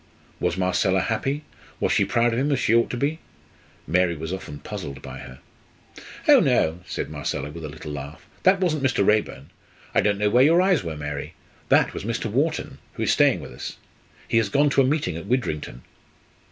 Was Marcella happy, was she proud of him, as she ought to be? Mary was often puzzled by her. "Oh no!" said Marcella, with a little laugh. "That wasn't Mr. Raeburn. I don't know where your eyes were, Mary. That was Mr. Wharton, who is staying with us. He has gone on to a meeting at Widrington."